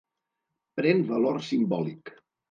Pren valor simbòlic.